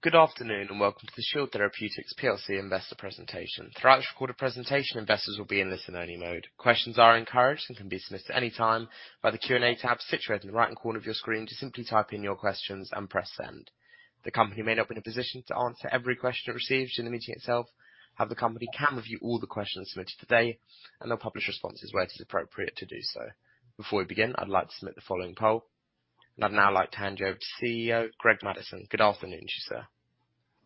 Good afternoon and welcome to the Shield Therapeutics plc investor presentation. Throughout this recorded presentation, investors will be in listen-only mode. Questions are encouraged and can be submitted at any time via the Q&A tab situated in the right-hand corner of your screen. Just simply type in your questions and press send. The company may not be in a position to answer every question it receives during the meeting itself. However, the company can review all the questions submitted today, and they'll publish responses where it is appropriate to do so. Before we begin, I'd like to submit the following poll. I'd now like to hand you over to CEO Greg Madison. Good afternoon, Chaucer.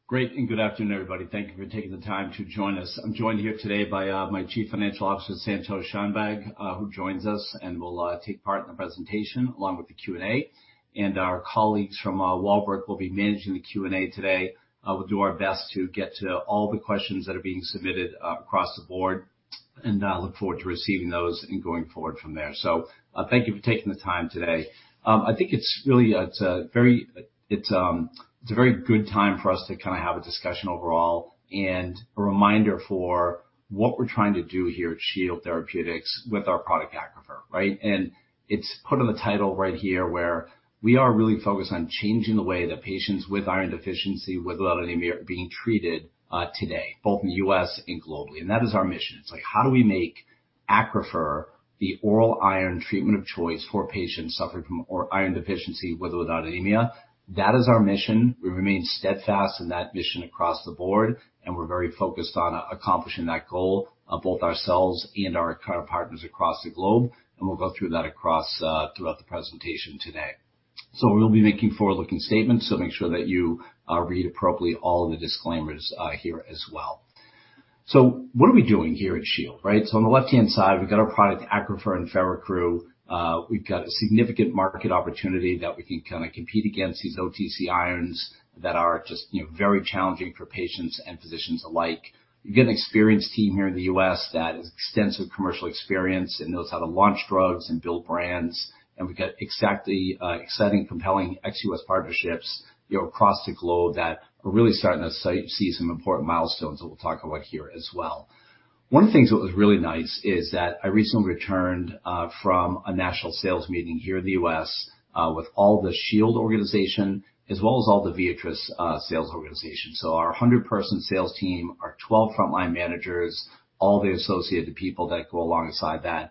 Great, and good afternoon, everybody. Thank you for taking the time to join us. I'm joined here today by my Chief Financial Officer, Santosh Shanbhag, who joins us and will take part in the presentation along with the Q&A. And our colleagues from Walbrook will be managing the Q&A today. We'll do our best to get to all the questions that are being submitted across the board and look forward to receiving those and going forward from there. So thank you for taking the time today. I think it's really a very it's a very good time for us to kind of have a discussion overall and a reminder for what we're trying to do here at Shield Therapeutics with our product Accrufer, right? It's put on the title right here where we are really focused on changing the way that patients with iron deficiency without anemia are being treated today, both in the US and globally. That is our mission. It's like, how do we make Accrufer the oral iron treatment of choice for patients suffering from iron deficiency with or without anemia? That is our mission. We remain steadfast in that mission across the board, and we're very focused on accomplishing that goal, both ourselves and our current partners across the globe. We'll go through that throughout the presentation today. We'll be making forward-looking statements, so make sure that you read appropriately all of the disclaimers here as well. What are we doing here at Shield, right? On the left-hand side, we've got our product, Accrufer, and Feraccru. We've got a significant market opportunity that we can kind of compete against these OTC irons that are just very challenging for patients and physicians alike. You get an experienced team here in the US that has extensive commercial experience and knows how to launch drugs and build brands. And we've got exactly exciting, compelling ex-US partnerships across the globe that are really starting to see some important milestones that we'll talk about here as well. One of the things that was really nice is that I recently returned from a national sales meeting here in the US with all the Shield organization as well as all the Viatris sales organization. So our 100-person sales team, our 12 frontline managers, all the associated people that go alongside that,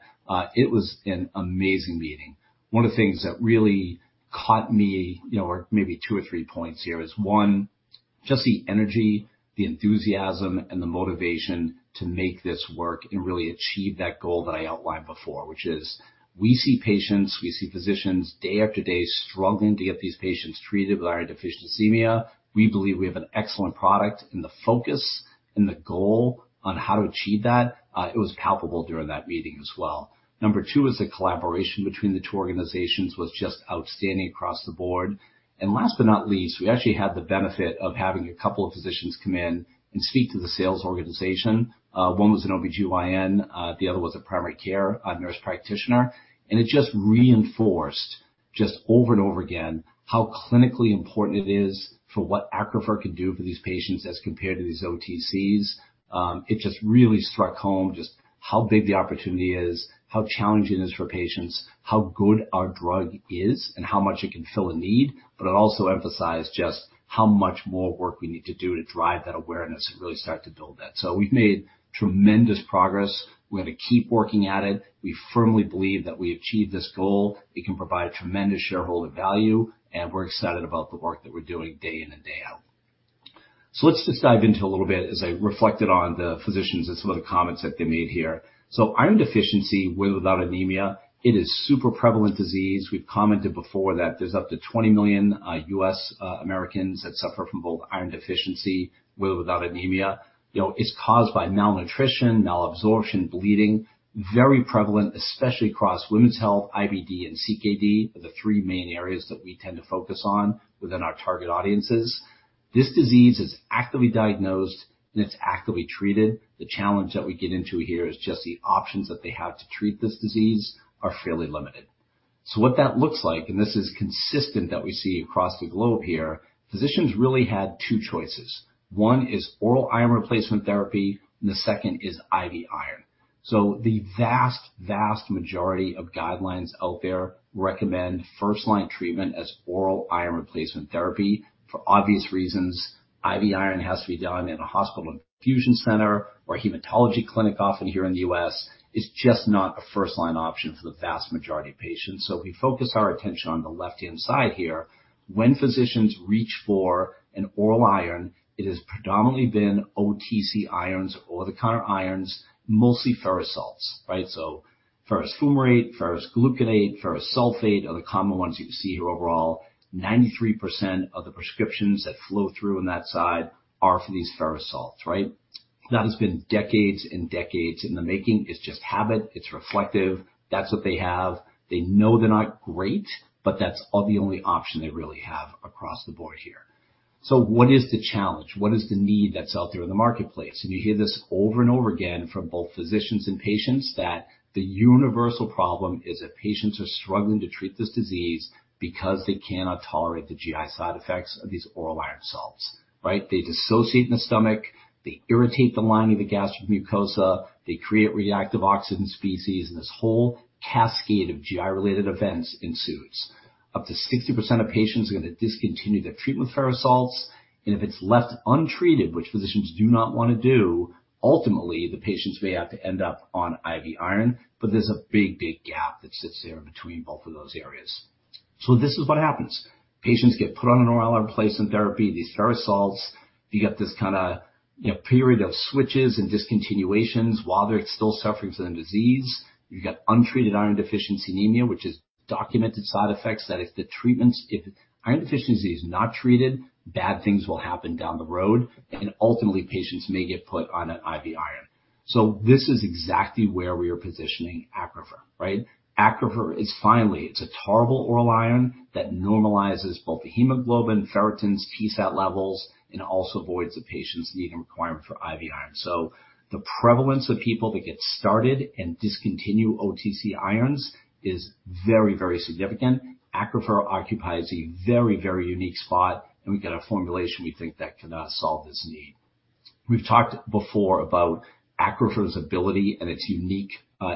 it was an amazing meeting. One of the things that really caught me or maybe two or three points here is, one, just the energy, the enthusiasm, and the motivation to make this work and really achieve that goal that I outlined before, which is we see patients, we see physicians day after day struggling to get these patients treated with iron deficiency anemia. We believe we have an excellent product, and the focus and the goal on how to achieve that, it was palpable during that meeting as well. Number two is the collaboration between the two organizations was just outstanding across the board. And last but not least, we actually had the benefit of having a couple of physicians come in and speak to the sales organization. One was an OB-GYN, the other was a primary care nurse practitioner. It just reinforced just over and over again how clinically important it is for what Accrufer can do for these patients as compared to these OTCs. It just really struck home just how big the opportunity is, how challenging it is for patients, how good our drug is, and how much it can fill a need. But it also emphasized just how much more work we need to do to drive that awareness and really start to build that. We've made tremendous progress. We're going to keep working at it. We firmly believe that we achieve this goal. It can provide tremendous shareholder value, and we're excited about the work that we're doing day in and day out. Let's just dive into a little bit as I reflected on the physicians and some of the comments that they made here. So iron deficiency with or without anemia, it is super prevalent disease. We've commented before that there's up to 20 million US Americans that suffer from both iron deficiency with or without anemia. It's caused by malnutrition, malabsorption, bleeding, very prevalent, especially across women's health, IBD, and CKD, the three main areas that we tend to focus on within our target audiences. This disease is actively diagnosed, and it's actively treated. The challenge that we get into here is just the options that they have to treat this disease are fairly limited. So what that looks like, and this is consistent that we see across the globe here, physicians really had two choices. One is oral iron replacement therapy, and the second is IV iron. So the vast, vast majority of guidelines out there recommend first-line treatment as oral iron replacement therapy for obvious reasons. I.V. iron has to be done in a hospital infusion center or a hematology clinic often here in the US It's just not a first-line option for the vast majority of patients. So if we focus our attention on the left-hand side here, when physicians reach for an oral iron, it has predominantly been OTC irons or over-the-counter irons, mostly ferrous salts, right? So ferrous fumarate, ferrous gluconate, ferrous sulfate are the common ones you see here overall. 93% of the prescriptions that flow through on that side are for these ferrous salts, right? That has been decades and decades in the making. It's just habit. It's reflective. That's what they have. They know they're not great, but that's the only option they really have across the board here. So what is the challenge? What is the need that's out there in the marketplace? You hear this over and over again from both physicians and patients that the universal problem is that patients are struggling to treat this disease because they cannot tolerate the GI side effects of these oral iron salts, right? They dissociate in the stomach. They irritate the lining of the gastric mucosa. They create reactive oxygen species, and this whole cascade of GI-related events ensues. Up to 60% of patients are going to discontinue their treatment with ferrous salts. If it's left untreated, which physicians do not want to do, ultimately, the patients may have to end up on IV iron. There's a big, big gap that sits there between both of those areas. This is what happens. Patients get put on an oral iron replacement therapy, these ferrous salts. You get this kind of period of switches and discontinuations while they're still suffering from the disease. You've got untreated iron deficiency anemia, which is documented side effects that if the treatments iron deficiency is not treated, bad things will happen down the road. Ultimately, patients may get put on an IV iron. This is exactly where we are positioning Accrufer, right? Accrufer is finally it's a tolerable oral iron that normalizes both the hemoglobin, ferritins, TSAT levels, and also avoids the patient's need and requirement for IV iron. The prevalence of people that get started and discontinue OTC irons is very, very significant. Accrufer occupies a very, very unique spot, and we've got a formulation we think that can solve this need. We've talked before about Accrufer's ability and its unique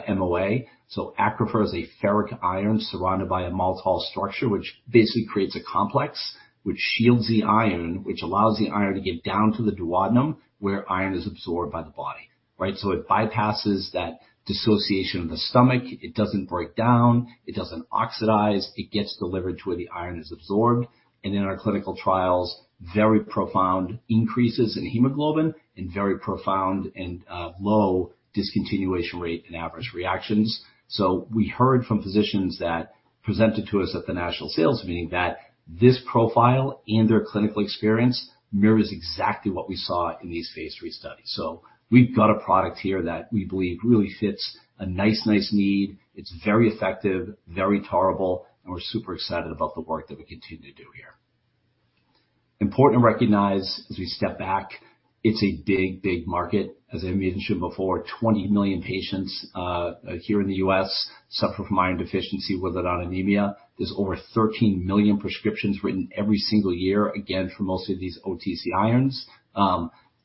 MOA. So Accrufer is a ferric iron surrounded by a maltol structure, which basically creates a complex which shields the iron, which allows the iron to get down to the duodenum where iron is absorbed by the body, right? So it bypasses that dissociation of the stomach. It doesn't break down. It doesn't oxidize. It gets delivered to where the iron is absorbed. And in our clinical trials, very profound increases in hemoglobin and very profound and low discontinuation rate and adverse reactions. So we heard from physicians that presented to us at the national sales meeting that this profile and their clinical experience mirrors exactly what we saw in these phase 3 studies. So we've got a product here that we believe really fits a nice, nice need. It's very effective, very tolerable, and we're super excited about the work that we continue to do here. Important to recognize as we step back, it's a big, big market. As I mentioned before, 20 million patients here in the US suffer from iron deficiency whether or not anemia. There's over 13 million prescriptions written every single year, again, for most of these OTC irons.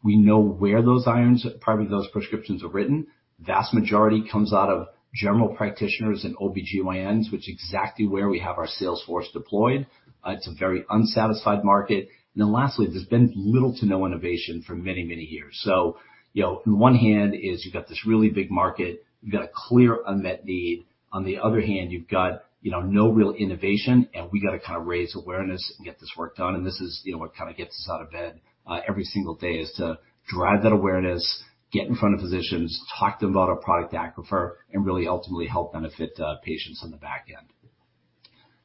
We know where those irons, probably those prescriptions, are written. Vast majority comes out of general practitioners and OB-GYNs, which is exactly where we have our sales force deployed. It's a very unsatisfied market. And then lastly, there's been little to no innovation for many, many years. So on one hand is you've got this really big market. You've got a clear unmet need. On the other hand, you've got no real innovation, and we got to kind of raise awareness and get this work done. This is what kind of gets us out of bed every single day is to drive that awareness, get in front of physicians, talk to them about our product, Accrufer, and really ultimately help benefit patients on the back end.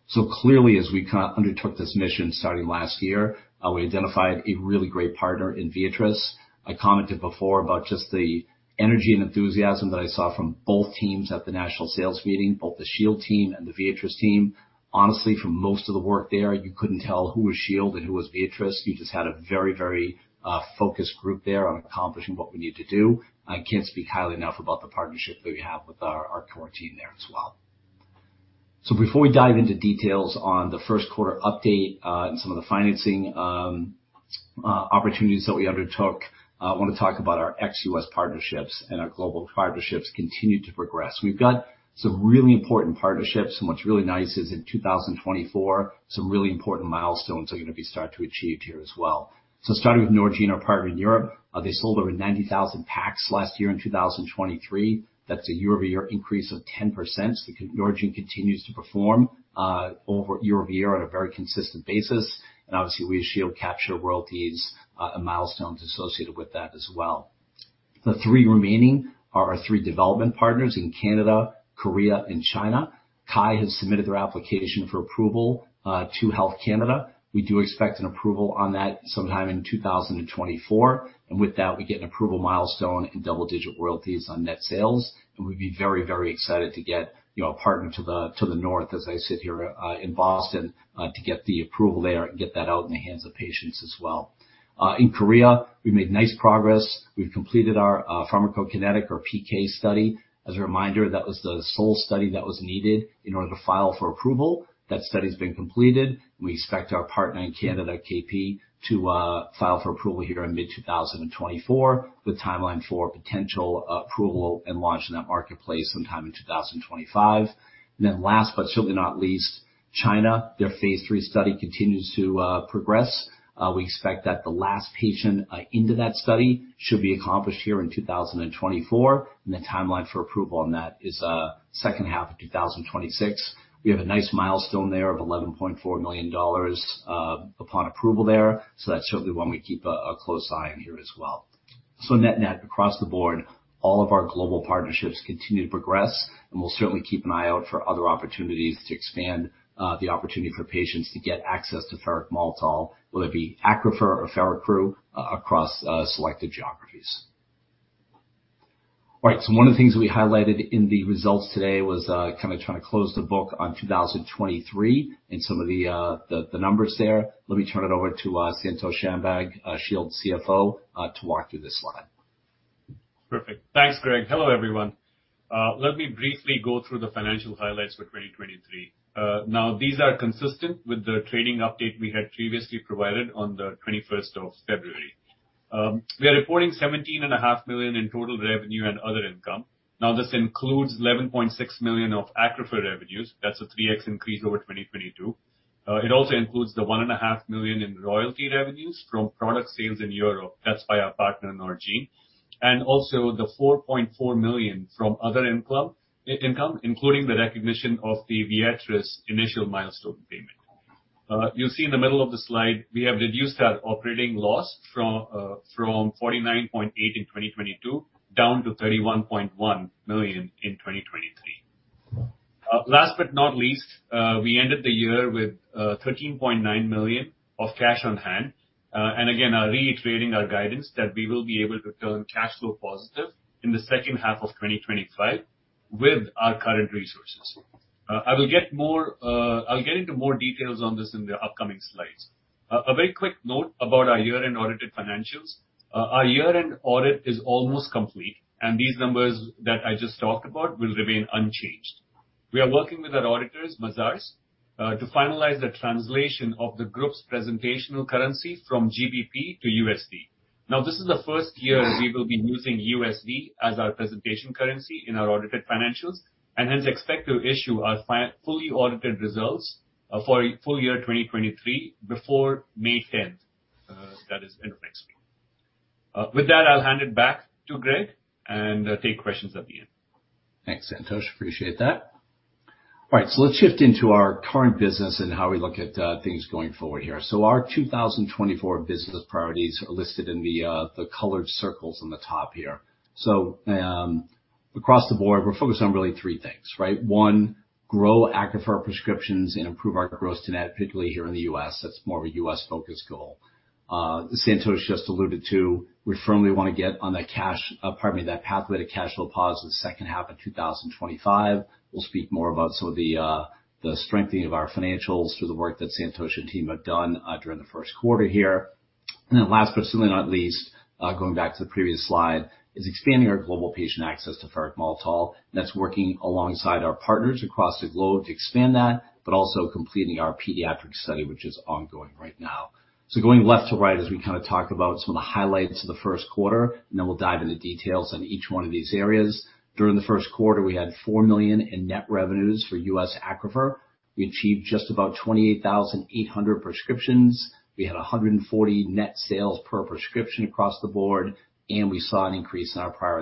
So clearly, as we kind of undertook this mission starting last year, we identified a really great partner in Viatris. I commented before about just the energy and enthusiasm that I saw from both teams at the national sales meeting, both the Shield team and the Viatris team. Honestly, from most of the work there, you couldn't tell who was Shield and who was Viatris. You just had a very, very focused group there on accomplishing what we needed to do. I can't speak highly enough about the partnership that we have with our core team there as well. So before we dive into details on the Q1 update and some of the financing opportunities that we undertook, I want to talk about our ex-US partnerships and our global partnerships continuing to progress. We've got some really important partnerships. What's really nice is in 2024, some really important milestones are going to be started to achieve here as well. Starting with Norgine, our partner in Europe, they sold over 90,000 packs last year in 2023. That's a year-over-year increase of 10%. Norgine continues to perform year-over-year on a very consistent basis. And obviously, we at Shield capture royalties and milestones associated with that as well. The three remaining are our three development partners in Canada, Korea, and China. KYE has submitted their application for approval to Health Canada. We do expect an approval on that sometime in 2024. And with that, we get an approval milestone and double-digit royalties on net sales. We'd be very, very excited to get a partner to the north, as I sit here in Boston, to get the approval there and get that out in the hands of patients as well. In Korea, we've made nice progress. We've completed our pharmacokinetic, our PK study. As a reminder, that was the sole study that was needed in order to file for approval. That study has been completed. We expect our partner in Canada, KP, to file for approval here in mid-2024 with a timeline for potential approval and launch in that marketplace sometime in 2025. Then last but certainly not least, China, their phase three study continues to progress. We expect that the last patient into that study should be accomplished here in 2024. The timeline for approval on that is the second half of 2026. We have a nice milestone there of $11.4 million upon approval there. So that's certainly one we keep a close eye on here as well. So net-net, across the board, all of our global partnerships continue to progress. And we'll certainly keep an eye out for other opportunities to expand the opportunity for patients to get access to ferric maltol, whether it be Accrufer or Feraccru, across selected geographies. All right. So one of the things that we highlighted in the results today was kind of trying to close the book on 2023 and some of the numbers there. Let me turn it over to Santosh Shanbhag, Shield CFO, to walk through this slide. Perfect. Thanks, Greg. Hello, everyone. Let me briefly go through the financial highlights for 2023. Now, these are consistent with the trading update we had previously provided on the 21st of February. We are reporting 17.5 million in total revenue and other income. Now, this includes 11.6 million of Accrufer revenues. That's a 3x increase over 2022. It also includes the 1.5 million in royalty revenues from product sales in Europe. That's by our partner Norgine. And also the 4.4 million from other income, including the recognition of the Viatris initial milestone payment. You'll see in the middle of the slide, we have reduced our operating loss from 49.8 in 2022 down to 31.1 million in 2023. Last but not least, we ended the year with 13.9 million of cash on hand. And again, I'll reiterate our guidance that we will be able to turn cash flow positive in the second half of 2025 with our current resources. I'll get into more details on this in the upcoming slides. A very quick note about our year-end audited financials. Our year-end audit is almost complete, and these numbers that I just talked about will remain unchanged. We are working with our auditors, Mazars, to finalize the translation of the group's presentational currency from GBP to USD. Now, this is the first year we will be using USD as our presentation currency in our audited financials and hence expect to issue our fully audited results for full year 2023 before May 10th. That is end of next week. With that, I'll hand it back to Greg and take questions at the end. Thanks, Santosh. Appreciate that. All right. So let's shift into our current business and how we look at things going forward here. Our 2024 business priorities are listed in the colored circles on the top here. So across the board, we're focused on really three things, right? One, grow Accrufer prescriptions and improve our gross to net, particularly here in the US That's more of a US-focused goal. Santosh just alluded to, we firmly want to get on that cash, pardon me, that pathway to cash flow positive the second half of 2025. We'll speak more about some of the strengthening of our financials through the work that Santosh and team have done during the Q1 here. And then last but certainly not least, going back to the previous slide, is expanding our global patient access to ferric maltol. That's working alongside our partners across the globe to expand that, but also completing our pediatric study, which is ongoing right now. So going left to right as we kind of talk about some of the highlights of the Q1, and then we'll dive into details on each one of these areas. During the Q1, we had $4 million in net revenues for US Accrufer. We achieved just about 28,800 prescriptions. We had $140 net sales per prescription across the board, and we saw an increase in our prior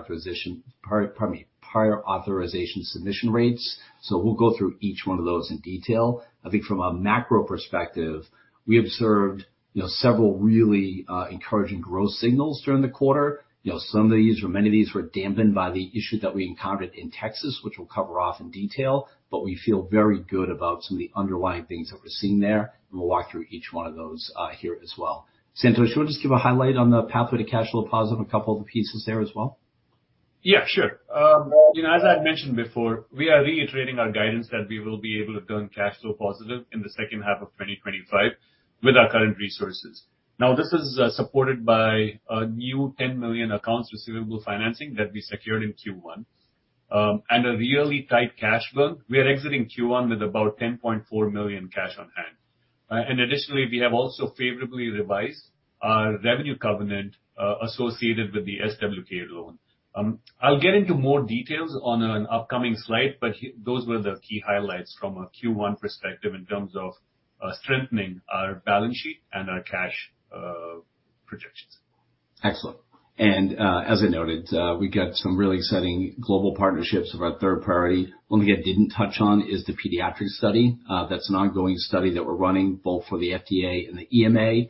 authorization submission rates. So we'll go through each one of those in detail. I think from a macro perspective, we observed several really encouraging growth signals during the quarter. Some of these or many of these were dampened by the issue that we encountered in Texas, which we'll cover off in detail, but we feel very good about some of the underlying things that we're seeing there. We'll walk through each one of those here as well. Santosh, you want to just give a highlight on the pathway to cash flow positive and a couple of the pieces there as well? Yeah, sure. As I'd mentioned before, we are reiterating our guidance that we will be able to turn cash flow positive in the second half of 2025 with our current resources. Now, this is supported by a new $10 million accounts receivable financing that we secured in Q1 and a really tight cash burn. We are exiting Q1 with about $10.4 million cash on hand. And additionally, we have also favorably revised our revenue covenant associated with the SWK loan. I'll get into more details on an upcoming slide, but those were the key highlights from a Q1 perspective in terms of strengthening our balance sheet and our cash projections. Excellent. As I noted, we got some really exciting global partnerships of our third priority. One thing I didn't touch on is the pediatric study. That's an ongoing study that we're running both for the FDA and the EMA.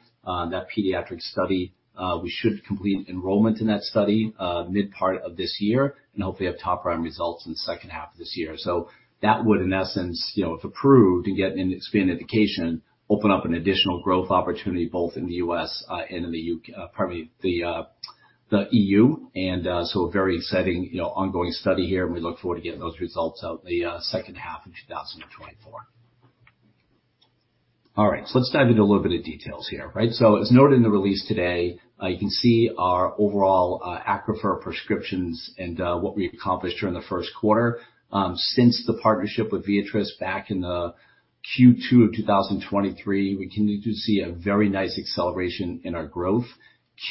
That pediatric study, we should complete enrollment in that study mid-part of this year, and hopefully have top-line results in the second half of this year. So that would, in essence, if approved and gets an expanded indication, open up an additional growth opportunity both in the US and in the EU. And so a very exciting ongoing study here, and we look forward to getting those results out in the second half of 2024. All right. So let's dive into a little bit of details here, right? So as noted in the release today, you can see our overall Accrufer prescriptions and what we accomplished during the Q1. Since the partnership with Viatris back in the Q2 of 2023, we continue to see a very nice acceleration in our growth.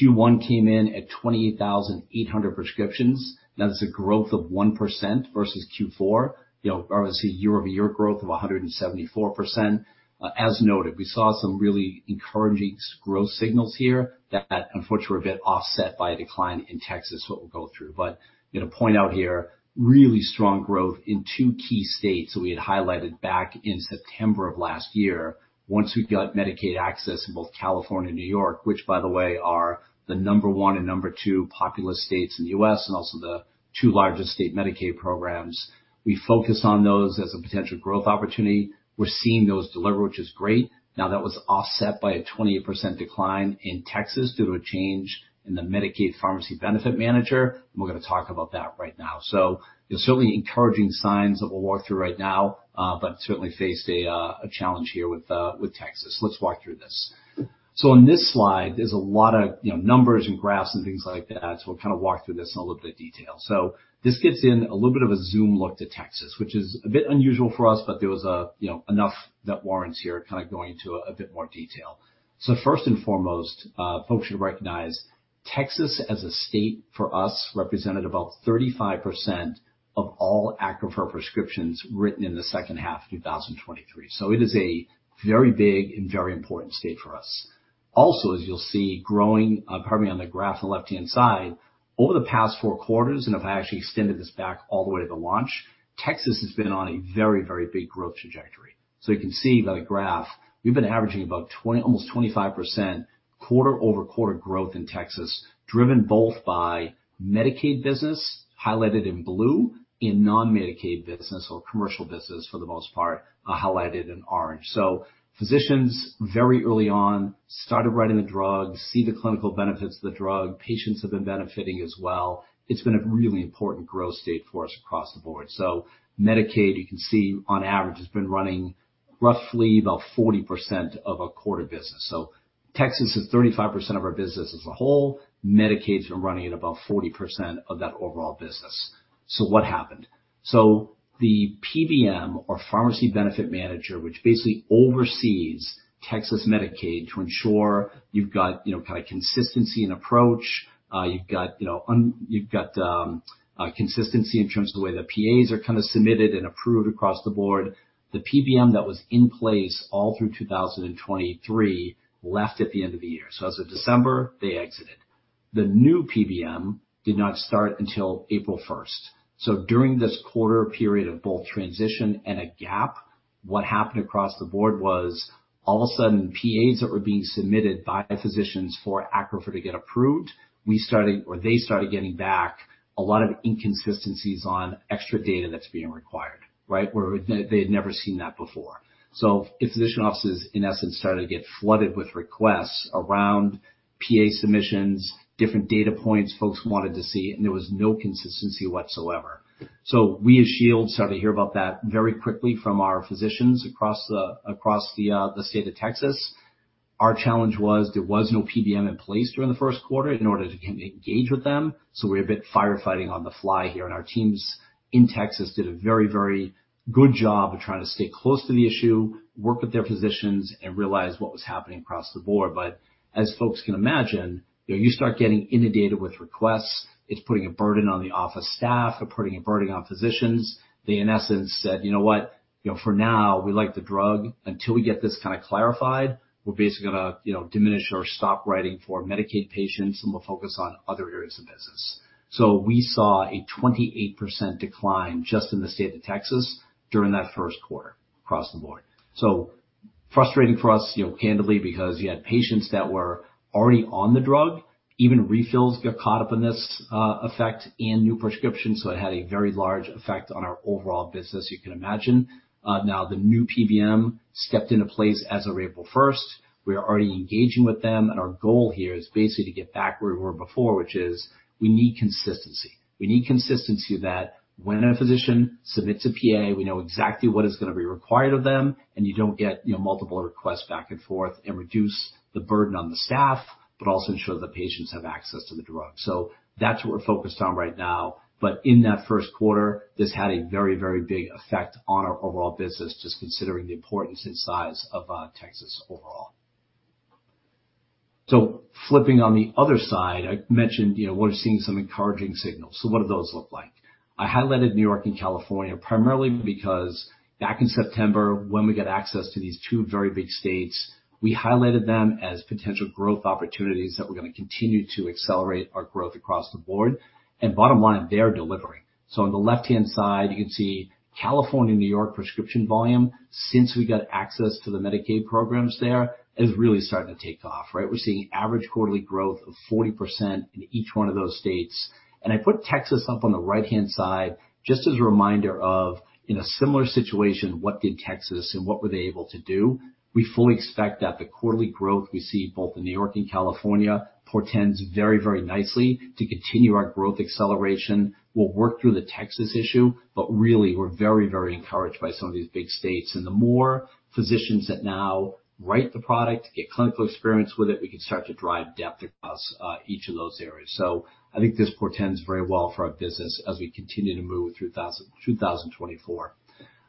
Q1 came in at 28,800 prescriptions. Now, that's a growth of 1% versus Q4. Obviously, year-over-year growth of 174%. As noted, we saw some really encouraging growth signals here that, unfortunately, were a bit offset by a decline in Texas what we'll go through. But to point out here, really strong growth in two key states that we had highlighted back in September of last year. Once we got Medicaid access in both California and New York, which, by the way, are the number 1 and number 2 populous states in the US and also the two largest state Medicaid programs, we focused on those as a potential growth opportunity. We're seeing those deliver, which is great. Now, that was offset by a 28% decline in Texas due to a change in the Medicaid Pharmacy Benefit Manager. We're going to talk about that right now. Certainly encouraging signs that we'll walk through right now, but certainly faced a challenge here with Texas. Let's walk through this. So on this slide, there's a lot of numbers and graphs and things like that. So we'll kind of walk through this in a little bit of detail. So this gets in a little bit of a zoom look to Texas, which is a bit unusual for us, but there was enough that warrants here kind of going into a bit more detail. So first and foremost, folks should recognize Texas as a state for us represented about 35% of all Accrufer prescriptions written in the second half of 2023. So it is a very big and very important state for us. Also, as you'll see, growing pardon me, on the graph on the left-hand side, over the past four quarters, and if I actually extended this back all the way to the launch, Texas has been on a very, very big growth trajectory. So you can see by the graph, we've been averaging about almost 25% quarter-over-quarter growth in Texas, driven both by Medicaid business highlighted in blue and non-Medicaid business or commercial business for the most part highlighted in orange. So physicians very early on started writing the drug, see the clinical benefits of the drug, patients have been benefiting as well. It's been a really important growth state for us across the board. So Medicaid, you can see on average, has been running roughly about 40% of a quarter business. So Texas is 35% of our business as a whole. Medicaid's been running at about 40% of that overall business. So what happened? So the PBM or Pharmacy Benefit Manager, which basically oversees Texas Medicaid to ensure you've got kind of consistency in approach, you've got consistency in terms of the way the PAs are kind of submitted and approved across the board, the PBM that was in place all through 2023 left at the end of the year. So as of December, they exited. The new PBM did not start until April 1st. So during this quarter period of both transition and a gap, what happened across the board was all of a sudden, PAs that were being submitted by physicians for Accrufer to get approved, we started or they started getting back a lot of inconsistencies on extra data that's being required, right, where they had never seen that before. So if physician offices, in essence, started to get flooded with requests around PA submissions, different data points folks wanted to see, and there was no consistency whatsoever. So we as Shield started to hear about that very quickly from our physicians across the state of Texas. Our challenge was there was no PBM in place during the Q1 in order to engage with them. So we were a bit firefighting on the fly here. And our teams in Texas did a very, very good job of trying to stay close to the issue, work with their physicians, and realize what was happening across the board. But as folks can imagine, you start getting inundated with requests. It's putting a burden on the office staff. They're putting a burden on physicians. They, in essence, said, "You know what? For now, we like the drug. Until we get this kind of clarified, we're basically going to diminish or stop writing for Medicaid patients, and we'll focus on other areas of business." So we saw a 28% decline just in the state of Texas during that Q1 across the board. So frustrating for us, candidly, because you had patients that were already on the drug. Even refills got caught up in this effect and new prescriptions. So it had a very large effect on our overall business, you can imagine. Now, the new PBM stepped into place as of April 1st. We are already engaging with them. And our goal here is basically to get back where we were before, which is we need consistency. We need consistency that when a physician submits a PA, we know exactly what is going to be required of them, and you don't get multiple requests back and forth and reduce the burden on the staff, but also ensure that the patients have access to the drug. That's what we're focused on right now. In that Q1, this had a very, very big effect on our overall business, just considering the importance and size of Texas overall. Flipping on the other side, I mentioned we're seeing some encouraging signals. What do those look like? I highlighted New York and California primarily because back in September, when we got access to these two very big states, we highlighted them as potential growth opportunities that were going to continue to accelerate our growth across the board. Bottom line, they're delivering. So on the left-hand side, you can see California-New York prescription volume since we got access to the Medicaid programs there is really starting to take off, right? We're seeing average quarterly growth of 40% in each one of those states. I put Texas up on the right-hand side just as a reminder of in a similar situation, what did Texas and what were they able to do? We fully expect that the quarterly growth we see both in New York and California portends very, very nicely to continue our growth acceleration. We'll work through the Texas issue, but really, we're very, very encouraged by some of these big states. The more physicians that now write the product, get clinical experience with it, we can start to drive depth across each of those areas. So I think this portends very well for our business as we continue to move through 2024.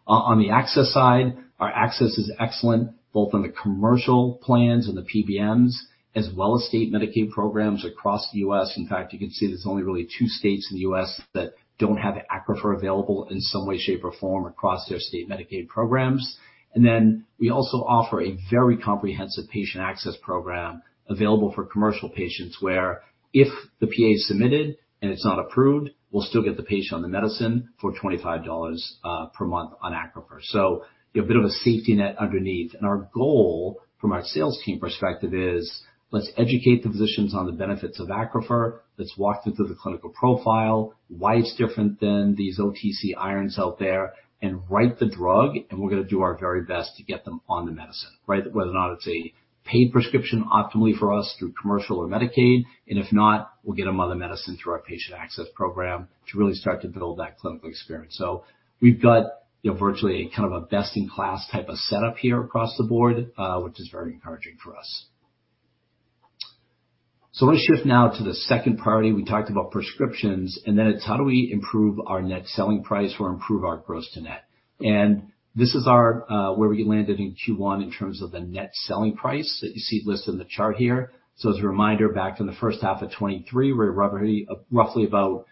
On the access side, our access is excellent both on the commercial plans and the PBMs, as well as state Medicaid programs across the US. In fact, you can see there's only really two states in the US that don't have Accrufer available in some way, shape, or form across their state Medicaid programs. And then we also offer a very comprehensive patient access program available for commercial patients where if the PA is submitted and it's not approved, we'll still get the patient on the medicine for $25 per month on Accrufer. So a bit of a safety net underneath. And our goal from our sales team perspective is let's educate the physicians on the benefits of Accrufer. Let's walk them through the clinical profile, why it's different than these OTC irons out there, and write the drug, and we're going to do our very best to get them on the medicine, right, whether or not it's a paid prescription optimally for us through commercial or Medicaid. If not, we'll get them on the medicine through our patient access program to really start to build that clinical experience. We've got virtually a kind of a best-in-class type of setup here across the board, which is very encouraging for us. Let's shift now to the second priority. We talked about prescriptions, and then it's how do we improve our net selling price or improve our gross to net. This is where we landed in Q1 in terms of the net selling price that you see listed in the chart here. So as a reminder, back in the first half of 2023, we were roughly about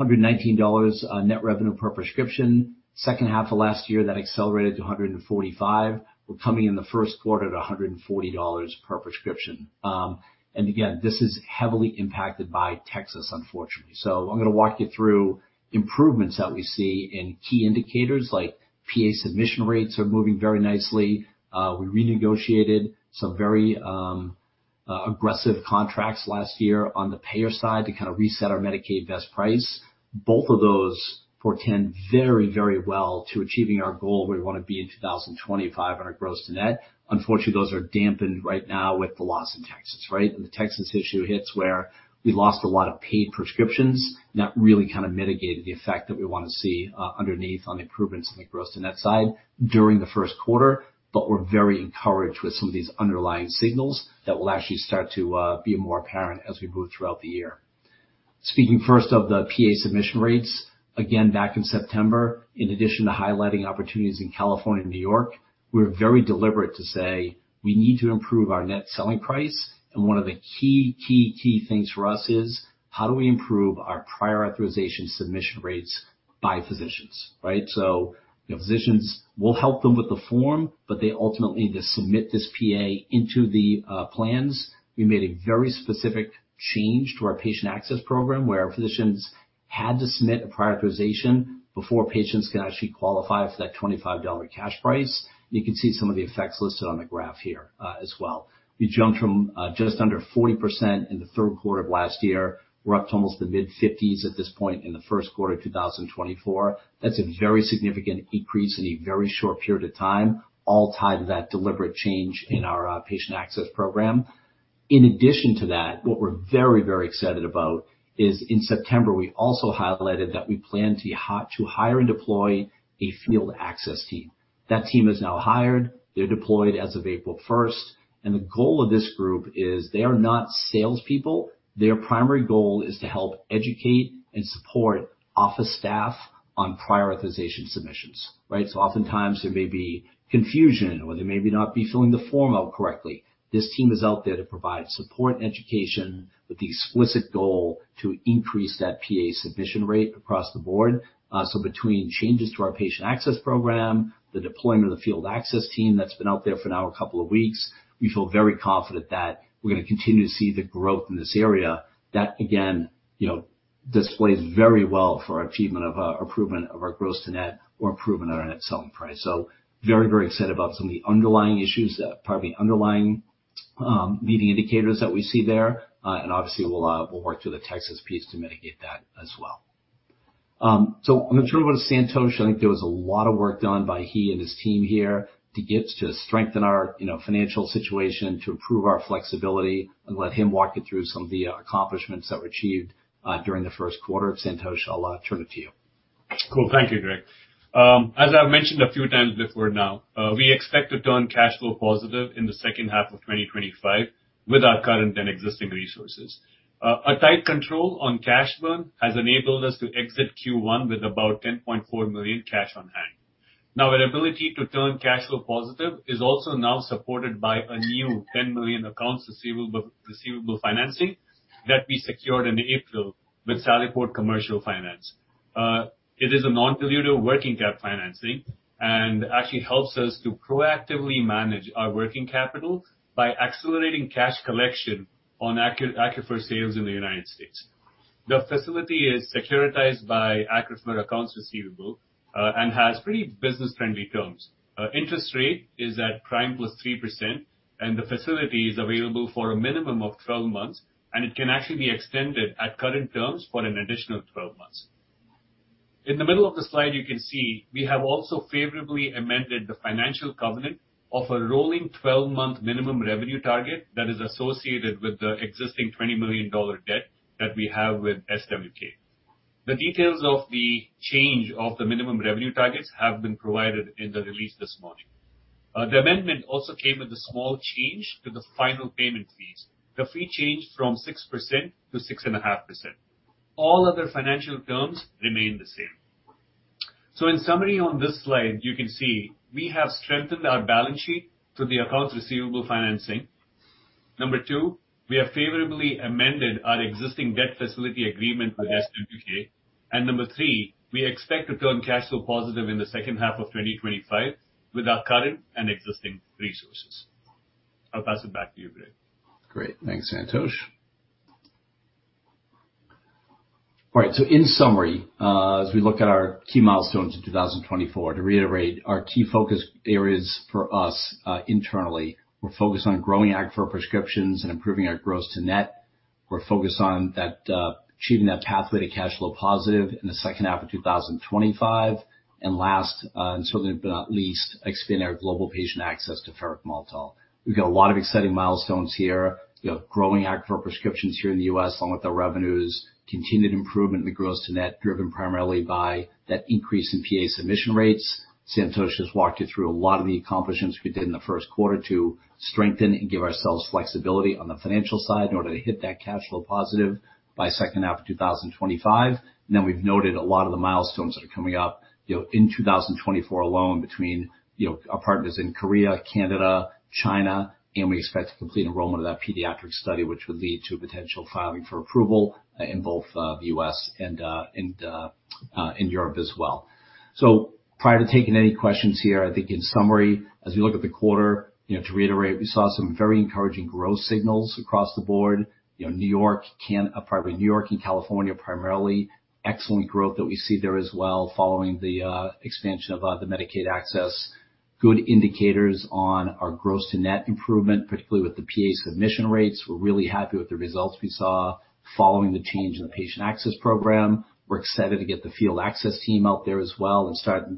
$119 net revenue per prescription. Second half of last year, that accelerated to $145. We're coming in the Q1 to $140 per prescription. And again, this is heavily impacted by Texas, unfortunately. So I'm going to walk you through improvements that we see in key indicators like PA submission rates are moving very nicely. We renegotiated some very aggressive contracts last year on the payer side to kind of reset our Medicaid best price. Both of those portend very, very well to achieving our goal where we want to be in 2025 on our gross to net. Unfortunately, those are dampened right now with the loss in Texas, right? And the Texas issue hits where we lost a lot of paid prescriptions. That really kind of mitigated the effect that we want to see underneath on the improvements on the gross to net side during the Q1. But we're very encouraged with some of these underlying signals that will actually start to be more apparent as we move throughout the year. Speaking first of the PA submission rates, again, back in September, in addition to highlighting opportunities in California and New York, we were very deliberate to say we need to improve our net selling price. One of the key, key, key things for us is how do we improve our prior authorization submission rates by physicians, right? Physicians, we'll help them with the form, but they ultimately need to submit this PA into the plans. We made a very specific change to our patient access program where physicians had to submit a prior authorization before patients can actually qualify for that $25 cash price. You can see some of the effects listed on the graph here as well. We jumped from just under 40% in the Q3 of last year. We're up to almost the mid-50s% at this point in the Q1 of 2024. That's a very significant increase in a very short period of time, all tied to that deliberate change in our patient access program. In addition to that, what we're very, very excited about is in September, we also highlighted that we plan to hire and deploy a field access team. That team is now hired. They're deployed as of April 1st. The goal of this group is they are not salespeople. Their primary goal is to help educate and support office staff on prior authorization submissions, right? So oftentimes, there may be confusion or they may not be filling the form out correctly. This team is out there to provide support and education with the explicit goal to increase that PA submission rate across the board. So between changes to our patient access program, the deployment of the field access team that's been out there for now a couple of weeks, we feel very confident that we're going to continue to see the growth in this area that, again, displays very well for our achievement of improvement of our gross to net or improvement on our net selling price. So very, very excited about some of the underlying issues, pardon me, underlying leading indicators that we see there. And obviously, we'll work through the Texas piece to mitigate that as well. So I'm going to turn over to Santosh. I think there was a lot of work done by he and his team here to strengthen our financial situation, to improve our flexibility, and let him walk you through some of the accomplishments that were achieved during the Q1 of Santosh. I'll turn it to you. Cool. Thank you, Greg. As I've mentioned a few times before now, we expect to turn cash flow positive in the second half of 2025 with our current and existing resources. A tight control on cash burn has enabled us to exit Q1 with about $10.4 million cash on hand. Now, our ability to turn cash flow positive is also now supported by a new $10 million accounts receivable financing that we secured in April with Sallyport Commercial Finance. It is a non-dilutive working cap financing and actually helps us to proactively manage our working capital by accelerating cash collection on Accrufer sales in the United States. The facility is securitized by Accrufer accounts receivable and has pretty business-friendly terms. Interest rate is at prime plus 3%, and the facility is available for a minimum of 12 months, and it can actually be extended at current terms for an additional 12 months. In the middle of the slide, you can see we have also favorably amended the financial covenant of a rolling 12-month minimum revenue target that is associated with the existing $20 million debt that we have with SWK. The details of the change of the minimum revenue targets have been provided in the release this morning. The amendment also came with a small change to the final payment fees, the fee changed from 6% to 6.5%. All other financial terms remain the same. So in summary, on this slide, you can see we have strengthened our balance sheet through the accounts receivable financing. Number two, we have favorably amended our existing debt facility agreement with SWK. And number three, we expect to turn cash flow positive in the second half of 2025 with our current and existing resources. I'll pass it back to you, Greg. Great. Thanks, Santosh. All right. So in summary, as we look at our key milestones in 2024, to reiterate, our key focus areas for us internally, we're focused on growing Accrufer prescriptions and improving our gross to net. We're focused on achieving that pathway to cash flow positive in the second half of 2025. And last and certainly but not least, expand our global patient access to ferric maltol. We've got a lot of exciting milestones here, growing Accrufer prescriptions here in the US along with our revenues, continued improvement in the gross to net driven primarily by that increase in PA submission rates. Santosh has walked you through a lot of the accomplishments we did in the Q1 to strengthen and give ourselves flexibility on the financial side in order to hit that cash flow positive by second half of 2025. And then we've noted a lot of the milestones that are coming up in 2024 alone between our partners in Korea, Canada, China, and we expect to complete enrollment of that pediatric study, which would lead to potential filing for approval in both the US and Europe as well. So prior to taking any questions here, I think in summary, as we look at the quarter, to reiterate, we saw some very encouraging growth signals across the board. New York, pardon me, New York and California primarily, excellent growth that we see there as well following the expansion of the Medicaid access. Good indicators on our gross to net improvement, particularly with the PA submission rates. We're really happy with the results we saw following the change in the patient access program. We're excited to get the field access team out there as well and start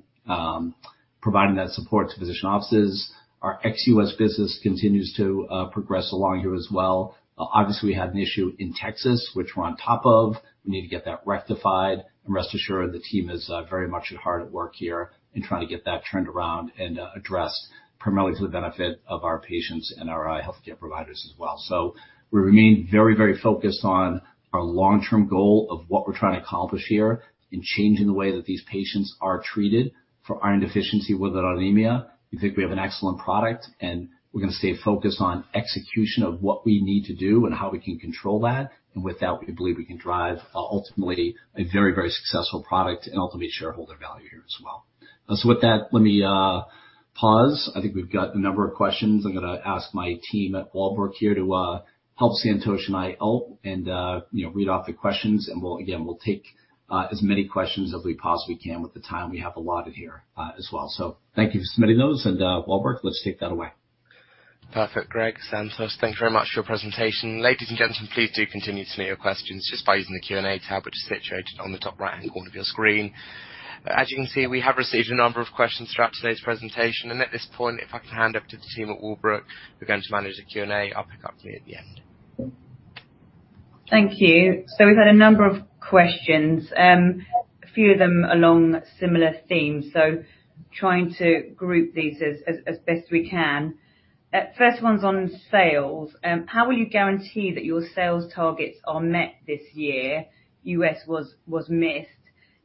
providing that support to physician offices. Our ex-US business continues to progress along here as well. Obviously, we had an issue in Texas, which we're on top of. We need to get that rectified. Rest assured, the team is very much hard at work here in trying to get that turned around and addressed primarily for the benefit of our patients and our healthcare providers as well. So we remain very, very focused on our long-term goal of what we're trying to accomplish here in changing the way that these patients are treated for iron deficiency with or without anemia. We think we have an excellent product, and we're going to stay focused on execution of what we need to do and how we can control that. And with that, we believe we can drive ultimately a very, very successful product and ultimately shareholder value here as well. So with that, let me pause. I think we've got a number of questions. I'm going to ask my team at Walbrook here to help Santosh and I out and read off the questions. And again, we'll take as many questions as we possibly can with the time we have allotted here as well. So thank you for submitting those. And Walbrook, let's take that away. Perfect. Greg, Santosh, thanks very much for your presentation. Ladies and gentlemen, please do continue to submit your questions just by using the Q&A tab, which is situated on the top right-hand corner of your screen. As you can see, we have received a number of questions throughout today's presentation. At this point, if I can hand over to the team at Walbrook, who are going to manage the Q&A, I'll pick up for you at the end. Thank you. So we've had a number of questions, a few of them along similar themes, so trying to group these as best we can. First one's on sales. How will you guarantee that your sales targets are met this year? US was missed.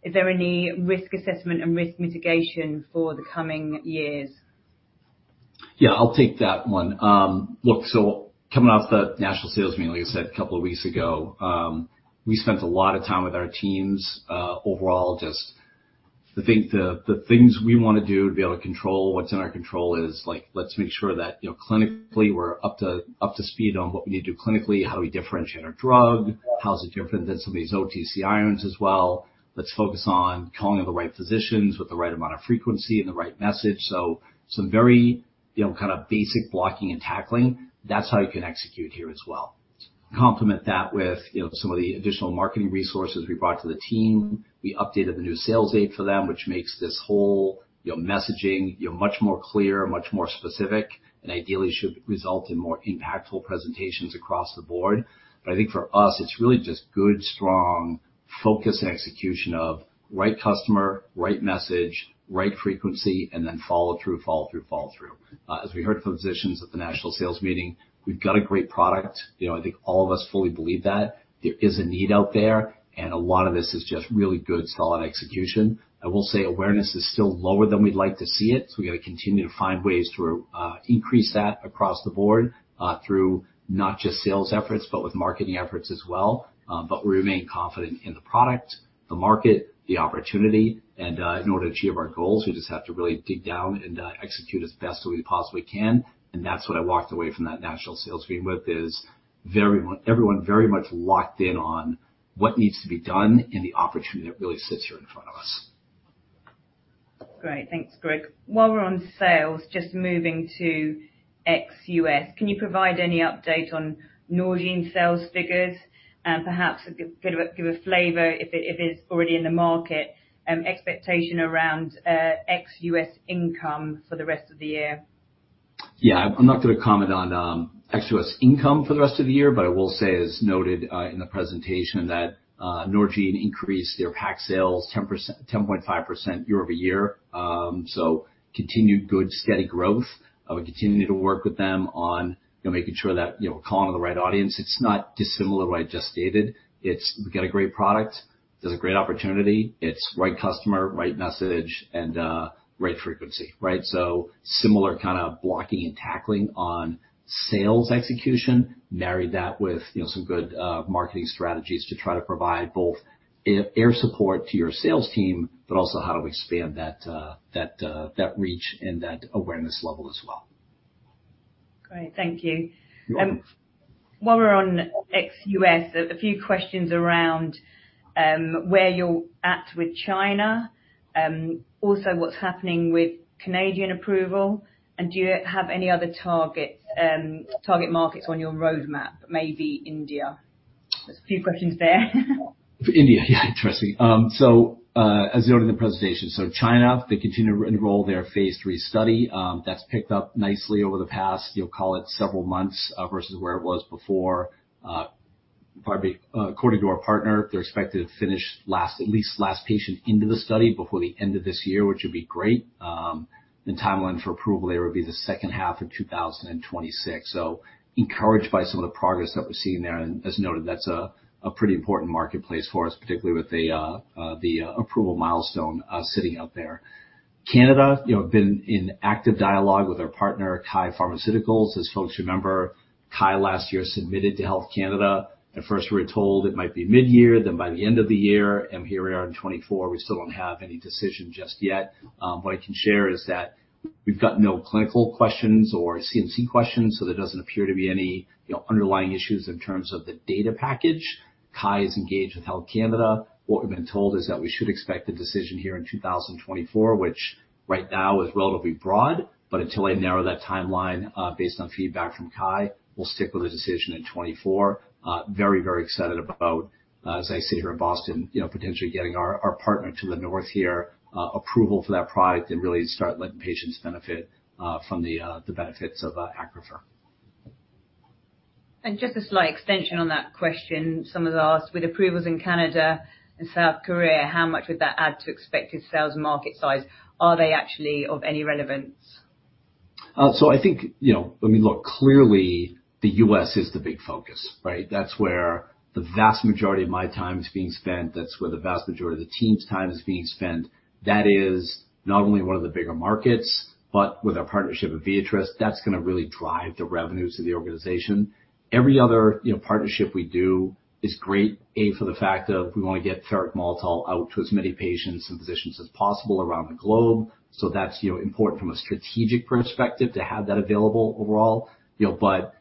Is there any risk assessment and risk mitigation for the coming years? Yeah, I'll take that one. Look, so coming off the national sales meeting, like I said, a couple of weeks ago, we spent a lot of time with our teams overall just the things we want to do to be able to control what's in our control is let's make sure that clinically, we're up to speed on what we need to do clinically. How do we differentiate our drug? How is it different than somebody's OTC irons as well? Let's focus on calling the right physicians with the right amount of frequency and the right message. So some very kind of basic blocking and tackling, that's how you can execute here as well. Complement that with some of the additional marketing resources we brought to the team. We updated the new sales aid for them, which makes this whole messaging much more clear, much more specific, and ideally should result in more impactful presentations across the board. But I think for us, it's really just good, strong focus and execution of right customer, right message, right frequency, and then follow through, follow through, follow through. As we heard from physicians at the national sales meeting, we've got a great product. I think all of us fully believe that. There is a need out there, and a lot of this is just really good, solid execution. I will say awareness is still lower than we'd like to see it. So we got to continue to find ways to increase that across the board through not just sales efforts, but with marketing efforts as well. But we remain confident in the product, the market, the opportunity. In order to achieve our goals, we just have to really dig down and execute as best as we possibly can. And that's what I walked away from that national sales meeting with, is everyone very much locked in on what needs to be done and the opportunity that really sits here in front of us. Great. Thanks, Greg. While we're on sales, just moving to ex-US, can you provide any update on Norgine sales figures and perhaps give a flavor if it is already in the market, expectation around ex-US income for the rest of the year? Yeah. I'm not going to comment on ex-US income for the rest of the year, but I will say, as noted in the presentation, that Norgine increased their Feraccru sales 10.5% year-over-year. So continued good, steady growth. We continue to work with them on making sure that we're calling on the right audience. It's not dissimilar to what I just stated. We've got a great product. There's a great opportunity. It's right customer, right message, and right frequency, right? So similar kind of blocking and tackling on sales execution, married that with some good marketing strategies to try to provide both air support to your sales team, but also how to expand that reach and that awareness level as well. Great. Thank you. While we're on ex-US, a few questions around where you're at with China, also what's happening with Canadian approval, and do you have any other target markets on your roadmap, maybe India? There's a few questions there. India, yeah, interesting. So as noted in the presentation, so China, they continue to enroll their phase 3 study. That's picked up nicely over the past, call it, several months versus where it was before. According to our partner, they're expected to finish at least last patient into the study before the end of this year, which would be great. And timeline for approval there would be the second half of 2026. So encouraged by some of the progress that we're seeing there. And as noted, that's a pretty important marketplace for us, particularly with the approval milestone sitting out there. Canada, I've been in active dialogue with our partner, KYE Pharmaceuticals. As folks remember, KYE last year submitted to Health Canada. At first, we were told it might be mid-year, then by the end of the year. And here we are in 2024. We still don't have any decision just yet. What I can share is that we've got no clinical questions or CMC questions, so there doesn't appear to be any underlying issues in terms of the data package. KYE is engaged with Health Canada. What we've been told is that we should expect a decision here in 2024, which right now is relatively broad. But until I narrow that timeline based on feedback from KYE, we'll stick with a decision in 2024. Very, very excited about, as I sit here in Boston, potentially getting our partner to the north here approval for that product and really start letting patients benefit from the benefits of Accrufer. Just a slight extension on that question, following approvals in Canada and South Korea, how much would that add to expected sales market size? Are they actually of any relevance? So I think, I mean, look, clearly, the US is the big focus, right? That's where the vast majority of my time is being spent. That's where the vast majority of the team's time is being spent. That is not only one of the bigger markets, but with our partnership with Viatris, that's going to really drive the revenues of the organization. Every other partnership we do is great, A, for the fact of we want to get ferric maltol out to as many patients and physicians as possible around the globe. So that's important from a strategic perspective to have that available overall. But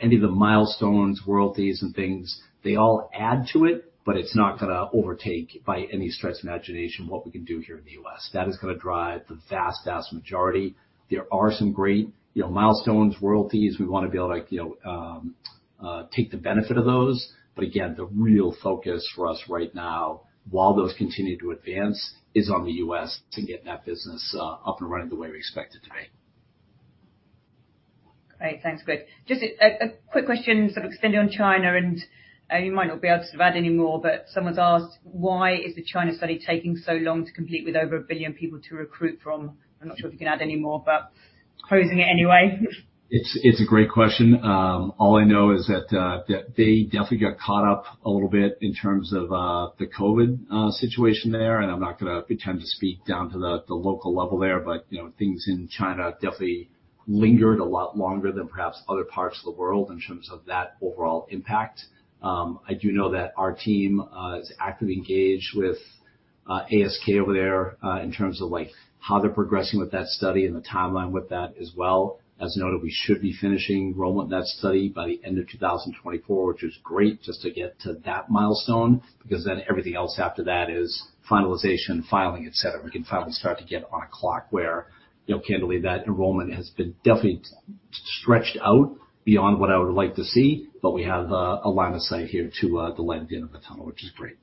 any of the milestones, royalties, and things, they all add to it, but it's not going to overtake by any stretch of imagination what we can do here in the US. That is going to drive the vast, vast majority. There are some great milestones, royalties. We want to be able to take the benefit of those. But again, the real focus for us right now, while those continue to advance, is on the US and getting that business up and running the way we expect it to be. Great. Thanks, Greg. Just a quick question, sort of extending on China, and you might not be able to sort of add any more, but someone's asked, why is the China study taking so long to complete with over 1 billion people to recruit from? I'm not sure if you can add any more, but posing it anyway. It's a great question. All I know is that they definitely got caught up a little bit in terms of the COVID situation there. I'm not going to pretend to speak down to the local level there, but things in China definitely lingered a lot longer than perhaps other parts of the world in terms of that overall impact. I do know that our team is actively engaged with ASK over there in terms of how they're progressing with that study and the timeline with that as well. As noted, we should be finishing enrollment in that study by the end of 2024, which is great just to get to that milestone because then everything else after that is finalization, filing, etc. We can finally start to get on a clock where candidly, that enrollment has been definitely stretched out beyond what I would like to see, but we have a line of sight here to the landing of the tunnel, which is great. Great.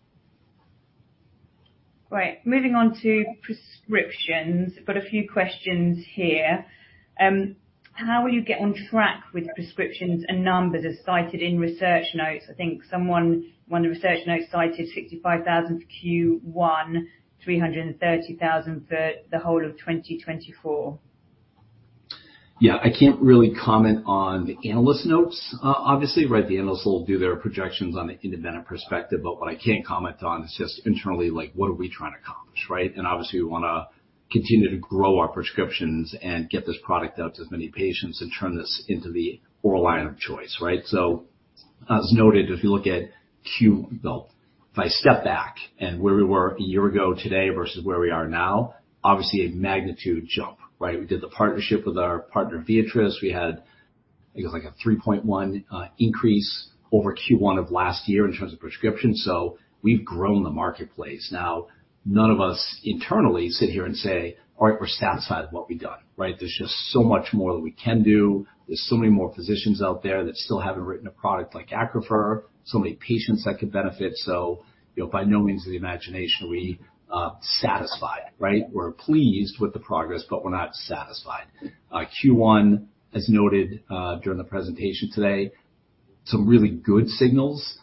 Moving on to prescriptions, I've got a few questions here. How will you get on track with prescriptions and numbers as cited in research notes? I think one of the research notes cited 65,000 for Q1, 330,000 for the whole of 2024. Yeah, I can't really comment on the analyst notes, obviously, right? The analysts will do their projections on the independent perspective, but what I can comment on is just internally, what are we trying to accomplish, right? And obviously, we want to continue to grow our prescriptions and get this product out to as many patients and turn this into the oral iron of choice, right? So as noted, if you look at Q1, well, if I step back and where we were a year ago today versus where we are now, obviously, a magnitude jump, right? We did the partnership with our partner, Viatris. We had, I guess, like a 3.1 increase over Q1 of last year in terms of prescriptions. So we've grown the marketplace. Now, none of us internally sit here and say, "All right, we're satisfied with what we've done," right? There's just so much more that we can do. There's so many more physicians out there that still haven't written a product like Accrufer, so many patients that could benefit. So by no stretch of the imagination, we're satisfied, right? We're pleased with the progress, but we're not satisfied. Q1, as noted during the presentation today, some really good signals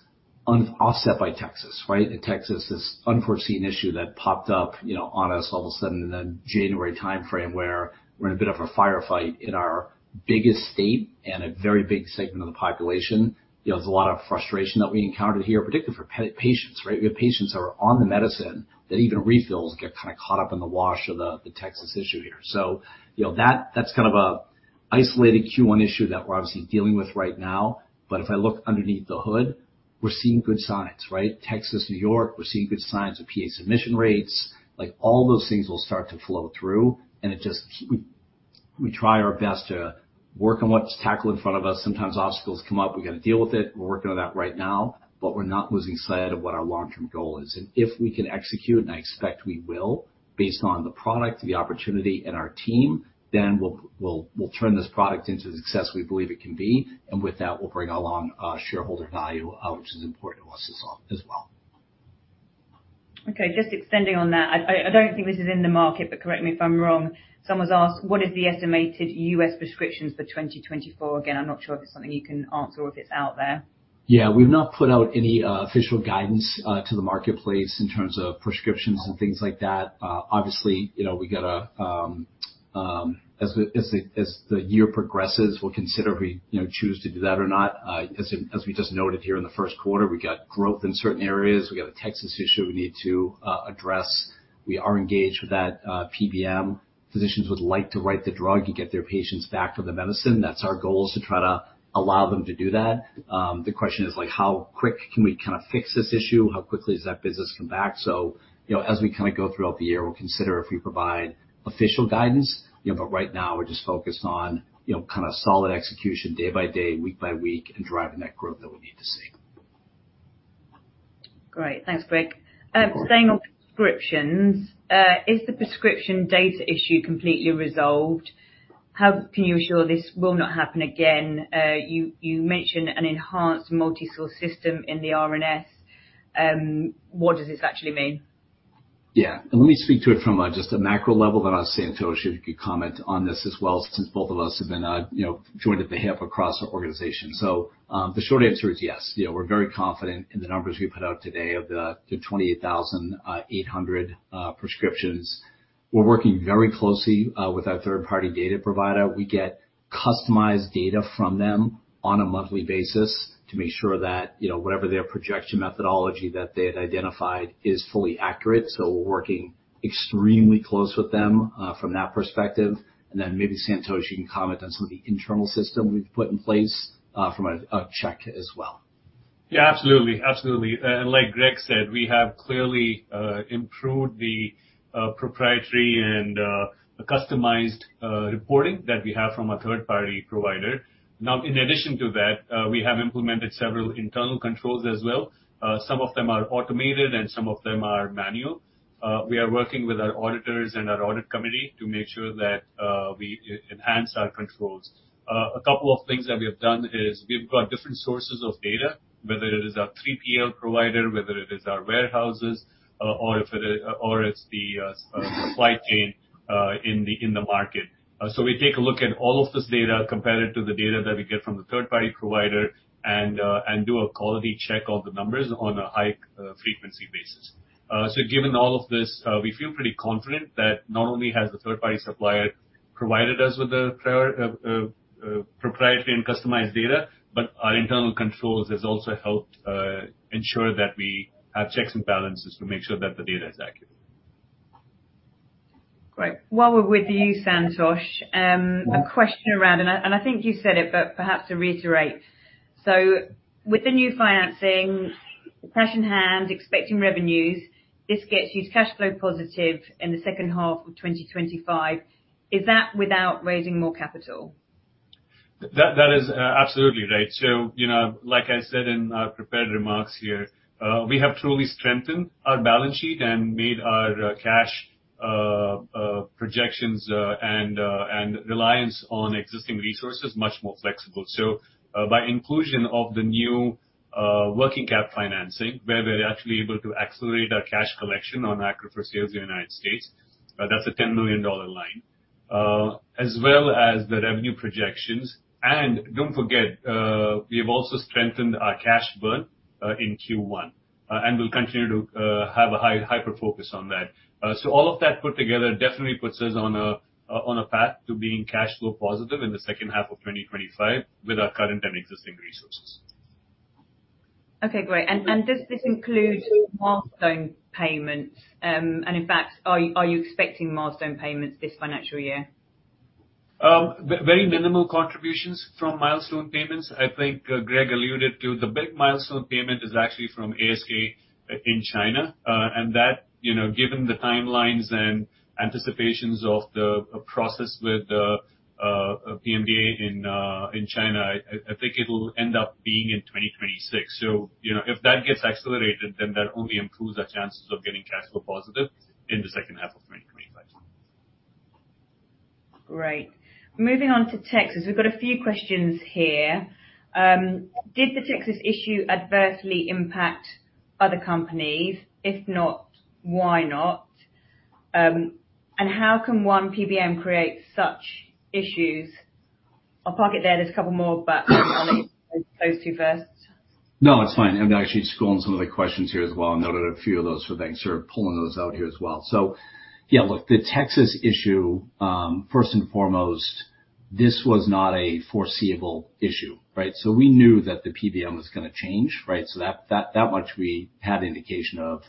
offset by Texas, right? In Texas, this unforeseen issue that popped up on us all of a sudden in the January timeframe where we're in a bit of a firefight in our biggest state and a very big segment of the population. There's a lot of frustration that we encountered here, particularly for patients, right? We have patients that are on the medicine that even refills get kind of caught up in the wash of the Texas issue here. So that's kind of an isolated Q1 issue that we're obviously dealing with right now. But if I look underneath the hood, we're seeing good signs, right? Texas, New York, we're seeing good signs of PA submission rates. All those things will start to flow through. And we try our best to work on what's tackled in front of us. Sometimes obstacles come up. We got to deal with it. We're working on that right now, but we're not losing sight of what our long-term goal is. And if we can execute, and I expect we will, based on the product, the opportunity, and our team, then we'll turn this product into the success we believe it can be. And with that, we'll bring along shareholder value, which is important to us as well. Okay. Just extending on that, I don't think this is in the market, but correct me if I'm wrong. Someone's asked, what is the estimated US prescriptions for 2024? Again, I'm not sure if it's something you can answer or if it's out there. Yeah, we've not put out any official guidance to the marketplace in terms of prescriptions and things like that. Obviously, we got to as the year progresses, we'll consider if we choose to do that or not. As we just noted here in the Q1, we got growth in certain areas. We got a Texas issue we need to address. We are engaged with that PBM. Physicians would like to write the drug and get their patients back to the medicine. That's our goal is to try to allow them to do that. The question is, how quick can we kind of fix this issue? How quickly does that business come back? So as we kind of go throughout the year, we'll consider if we provide official guidance. Right now, we're just focused on kind of solid execution day by day, week by week, and driving that growth that we need to see. Great. Thanks, Greg. Staying on prescriptions, is the prescription data issue completely resolved? How can you assure this will not happen again? You mentioned an enhanced multi-source system in the RNS. What does this actually mean? Yeah. Let me speak to it from just a macro level. Then I'll say, Santosh, if you could comment on this as well, since both of us have been joined at the hip across our organization. So the short answer is yes. We're very confident in the numbers we put out today of the 28,800 prescriptions. We're working very closely with our third-party data provider. We get customized data from them on a monthly basis to make sure that whatever their projection methodology that they had identified is fully accurate. So we're working extremely close with them from that perspective. And then maybe, Santosh, you can comment on some of the internal system we've put in place from a check as well. Yeah, absolutely. Absolutely. And like Greg said, we have clearly improved the proprietary and customized reporting that we have from a third-party provider. Now, in addition to that, we have implemented several internal controls as well. Some of them are automated, and some of them are manual. We are working with our auditors and our audit committee to make sure that we enhance our controls. A couple of things that we have done is we've got different sources of data, whether it is our 3PL provider, whether it is our warehouses, or it's the supply chain in the market. So we take a look at all of this data compared it to the data that we get from the third-party provider and do a quality check of the numbers on a high-frequency basis. Given all of this, we feel pretty confident that not only has the third-party supplier provided us with the proprietary and customized data, but our internal controls have also helped ensure that we have checks and balances to make sure that the data is accurate. Great. While we're with you, Santosh, a question around, and I think you said it, but perhaps to reiterate. So with the new financing, cash in hand, expecting revenues, this gets you to cash flow positive in the second half of 2025. Is that without raising more capital? That is absolutely right. So like I said in our prepared remarks here, we have truly strengthened our balance sheet and made our cash projections and reliance on existing resources much more flexible. So by inclusion of the new working cap financing, where we're actually able to accelerate our cash collection on Accrufer sales in the United States, that's a $10 million line, as well as the revenue projections. And don't forget, we have also strengthened our cash burn in Q1 and will continue to have a hyper-focus on that. So all of that put together definitely puts us on a path to being cash flow positive in the second half of 2025 with our current and existing resources. Okay. Great. Does this include milestone payments? In fact, are you expecting milestone payments this financial year? Very minimal contributions from milestone payments. I think Greg alluded to the big milestone payment is actually from ASK in China. That, given the timelines and anticipations of the process with PMDA in China, I think it'll end up being in 2026. So if that gets accelerated, then that only improves our chances of getting cash flow positive in the second half of 2025. Great. Moving on to Texas, we've got a few questions here. Did the Texas issue adversely impact other companies? If not, why not? And how can one PBM create such issues? I'll park it there. There's a couple more, but I'll let you close to first. No, it's fine. I've actually scrolled some of the questions here as well and noted a few of those for things, sort of pulling those out here as well. So yeah, look, the Texas issue, first and foremost, this was not a foreseeable issue, right? So we knew that the PBM was going to change, right? So that much we had indication of.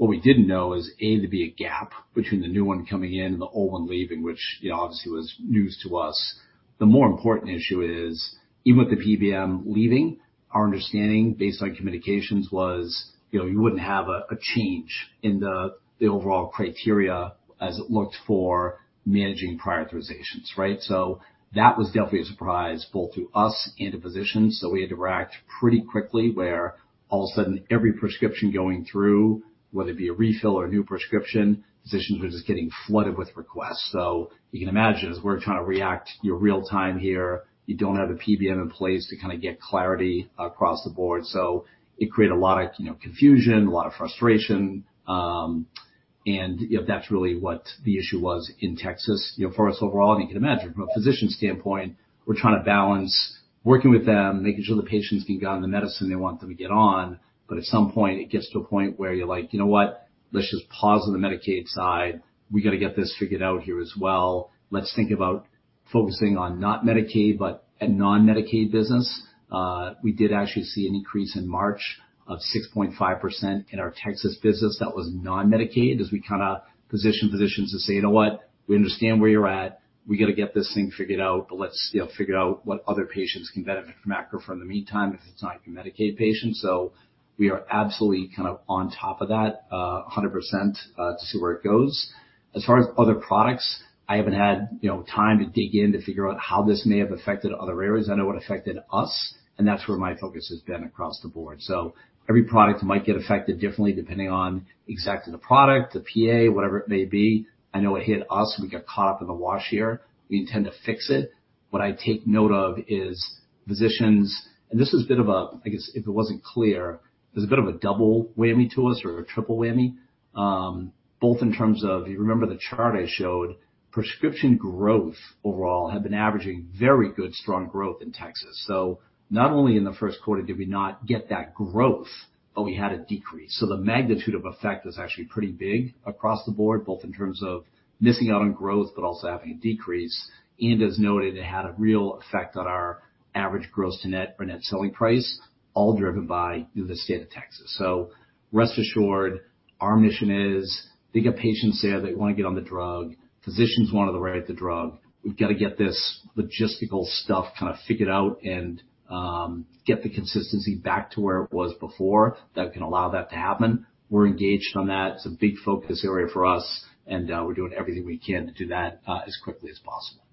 What we didn't know is, A, there'd be a gap between the new one coming in and the old one leaving, which obviously was news to us. The more important issue is, even with the PBM leaving, our understanding, based on communications, was you wouldn't have a change in the overall criteria as it looked for managing prior authorizations, right? So that was definitely a surprise both to us and to physicians. So we had to react pretty quickly where all of a sudden, every prescription going through, whether it be a refill or a new prescription, physicians were just getting flooded with requests. So you can imagine, as we're trying to react real-time here, you don't have a PBM in place to kind of get clarity across the board. So it created a lot of confusion, a lot of frustration. And that's really what the issue was in Texas for us overall. And you can imagine, from a physician standpoint, we're trying to balance working with them, making sure the patients can get on the medicine they want them to get on. But at some point, it gets to a point where you're like, "You know what? Let's just pause on the Medicaid side. We got to get this figured out here as well. Let's think about focusing on not Medicaid, but a non-Medicaid business." We did actually see an increase in March of 6.5% in our Texas business that was non-Medicaid as we kind of positioned physicians to say, "You know what? We understand where you're at. We got to get this thing figured out, but let's figure out what other patients can benefit from Accrufer in the meantime if it's not your Medicaid patient." So we are absolutely kind of on top of that 100% to see where it goes. As far as other products, I haven't had time to dig in to figure out how this may have affected other areas. I know it affected us, and that's where my focus has been across the board. So every product might get affected differently depending on exactly the product, the PA, whatever it may be. I know it hit us. We got caught up in the wash here. We intend to fix it. What I take note of is physicians, and this was a bit of a, I guess if it wasn't clear, there's a bit of a double whammy to us or a triple whammy, both in terms of you remember the chart I showed, prescription growth overall had been averaging very good, strong growth in Texas. So not only in the Q1 did we not get that growth, but we had a decrease. So the magnitude of effect was actually pretty big across the board, both in terms of missing out on growth, but also having a decrease. And as noted, it had a real effect on our average gross to net or net selling price, all driven by the state of Texas. Rest assured, our mission is they got patients there that want to get on the drug. Physicians want to write the drug. We've got to get this logistical stuff kind of figured out and get the consistency back to where it was before that can allow that to happen. We're engaged on that. It's a big focus area for us, and we're doing everything we can to do that as quickly as possible.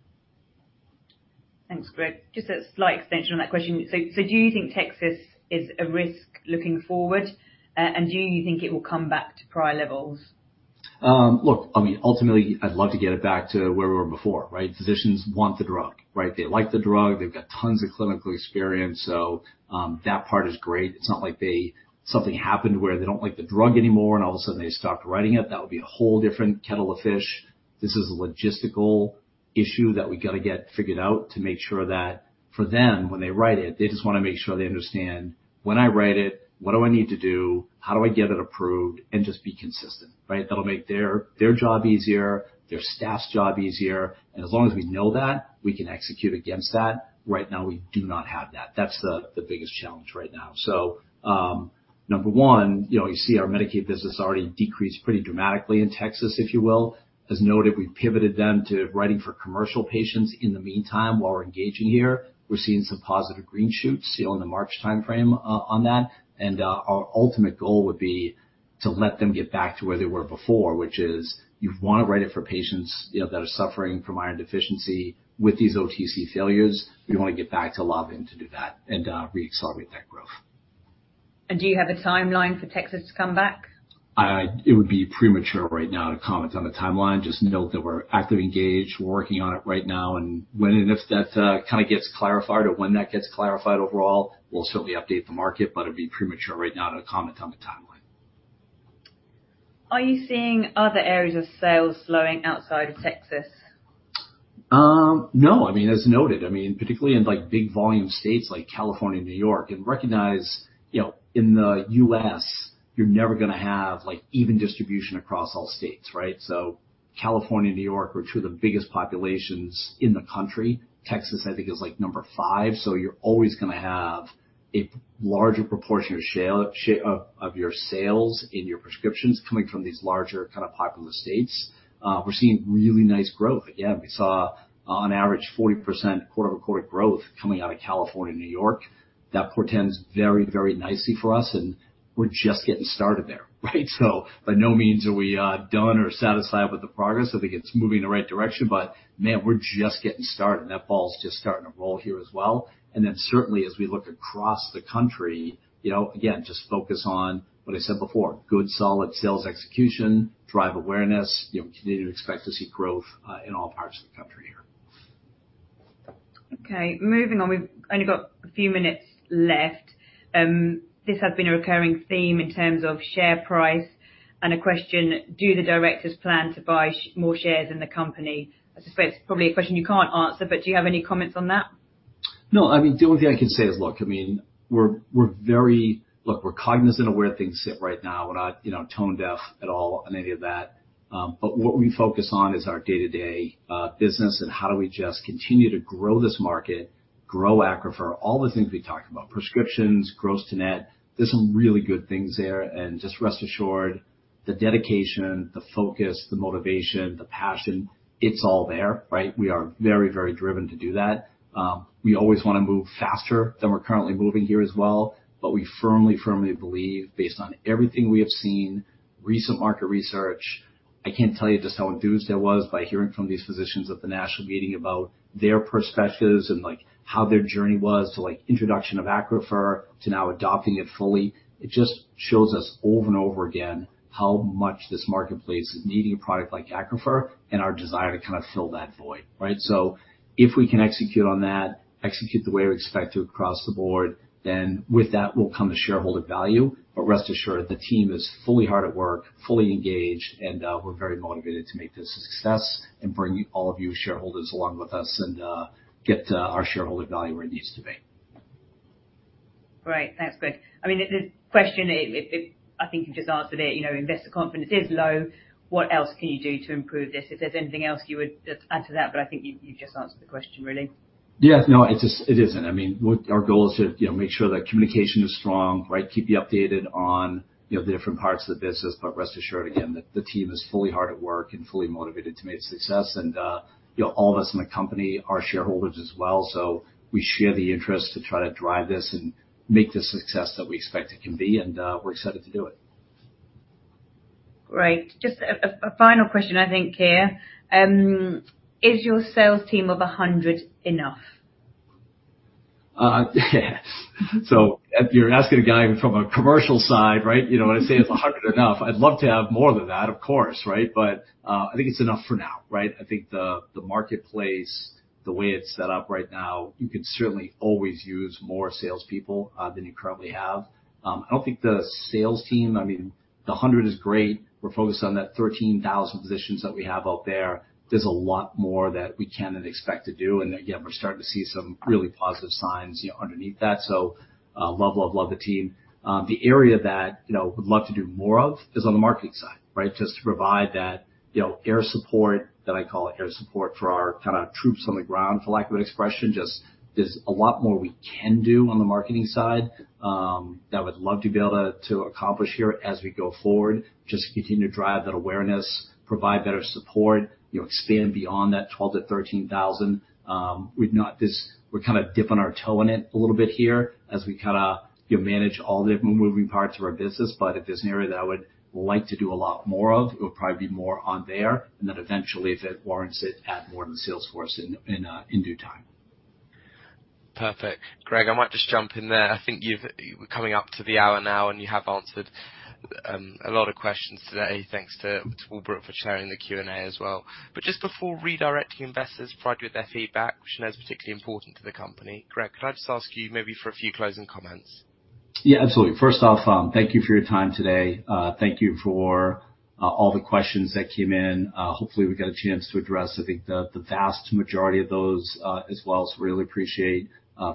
Thanks, Greg. Just a slight extension on that question. So do you think Texas is a risk looking forward, and do you think it will come back to prior levels? Look, I mean, ultimately, I'd love to get it back to where we were before, right? Physicians want the drug, right? They like the drug. They've got tons of clinical experience. So that part is great. It's not like something happened where they don't like the drug anymore and all of a sudden they stopped writing it. That would be a whole different kettle of fish. This is a logistical issue that we got to get figured out to make sure that for them, when they write it, they just want to make sure they understand, "When I write it, what do I need to do? How do I get it approved?" and just be consistent, right? That'll make their job easier, their staff's job easier. And as long as we know that, we can execute against that. Right now, we do not have that. That's the biggest challenge right now. So number one, you see our Medicaid business already decreased pretty dramatically in Texas, if you will. As noted, we've pivoted them to writing for commercial patients. In the meantime, while we're engaging here, we're seeing some positive green shoots in the March timeframe on that. And our ultimate goal would be to let them get back to where they were before, which is you want to write it for patients that are suffering from iron deficiency with these OTC failures. We want to get back to loving to do that and reaccelerate that growth. Do you have a timeline for Texas to come back? It would be premature right now to comment on the timeline. Just note that we're actively engaged. We're working on it right now. And when and if that kind of gets clarified or when that gets clarified overall, we'll certainly update the market, but it'd be premature right now to comment on the timeline. Are you seeing other areas of sales slowing outside of Texas? No. I mean, as noted, I mean, particularly in big volume states like California and New York. Recognize, in the US, you're never going to have even distribution across all states, right? So California and New York are two of the biggest populations in the country. Texas, I think, is number 5. So you're always going to have a larger proportion of your sales in your prescriptions coming from these larger kind of popular states. We're seeing really nice growth. Again, we saw, on average, 40% "growth" coming out of California and New York. That portends very, very nicely for us. And we're just getting started there, right? So by no means are we done or satisfied with the progress. I think it's moving in the right direction. But man, we're just getting started. That ball's just starting to roll here as well. And then certainly, as we look across the country, again, just focus on what I said before, good, solid sales execution, drive awareness, continue to expect to see growth in all parts of the country here. Okay. Moving on. We've only got a few minutes left. This has been a recurring theme in terms of share price. And a question, do the directors plan to buy more shares in the company? I suspect it's probably a question you can't answer, but do you have any comments on that? No. I mean, the only thing I can say is, look, I mean, we're very look, we're cognizant of where things sit right now. We're not tone-deaf at all on any of that. But what we focus on is our day-to-day business and how do we just continue to grow this market, grow Accrufer, all the things we talk about, prescriptions, gross to net. There's some really good things there. And just rest assured, the dedication, the focus, the motivation, the passion, it's all there, right? We are very, very driven to do that. We always want to move faster than we're currently moving here as well. But we firmly, firmly believe, based on everything we have seen, recent market research I can't tell you just how enthused I was by hearing from these physicians at the national meeting about their perspectives and how their journey was to introduction of Accrufer to now adopting it fully. It just shows us over and over again how much this marketplace is needing a product like Accrufer and our desire to kind of fill that void, right? So if we can execute on that, execute the way we expect to across the board, then with that will come the shareholder value. But rest assured, the team is fully hard at work, fully engaged, and we're very motivated to make this a success and bring all of you shareholders along with us and get our shareholder value where it needs to be. Great. That's good. I mean, the question, I think you've just answered it. Investor confidence is low. What else can you do to improve this? If there's anything else you would add to that. I think you've just answered the question, really. Yeah. No, it isn't. I mean, our goal is to make sure that communication is strong, right? Keep you updated on the different parts of the business. But rest assured, again, the team is fully hard at work and fully motivated to make success. And all of us in the company are shareholders as well. So we share the interest to try to drive this and make this a success that we expect it can be. And we're excited to do it. Great. Just a final question, I think, here. Is your sales team of 100 enough? So if you're asking a guy from a commercial side, right, when I say it's 100 enough, I'd love to have more than that, of course, right? But I think it's enough for now, right? I think the marketplace, the way it's set up right now, you can certainly always use more salespeople than you currently have. I don't think the sales team, I mean, the 100 is great. We're focused on that 13,000 positions that we have out there. There's a lot more that we can and expect to do. And again, we're starting to see some really positive signs underneath that. So love, love, love the team. The area that we'd love to do more of is on the marketing side, right, just to provide that air support that I call air support for our kind of troops on the ground, for lack of an expression. Just, there's a lot more we can do on the marketing side that we'd love to be able to accomplish here as we go forward, just continue to drive that awareness, provide better support, expand beyond that 12,000-13,000. We're kind of dipping our toe in it a little bit here as we kind of manage all the moving parts of our business. But if there's an area that I would like to do a lot more of, it would probably be more on there. And then eventually, if it warrants it, add more to the sales force in due time. Perfect. Greg, I might just jump in there. I think we're coming up to the hour now, and you have answered a lot of questions today, thanks to Walbrook for chairing the Q&A as well. But just before redirecting investors, provide you with their feedback, which I know is particularly important to the company. Greg, could I just ask you maybe for a few closing comments? Yeah, absolutely. First off, thank you for your time today. Thank you for all the questions that came in. Hopefully, we got a chance to address, I think, the vast majority of those as well. So really appreciate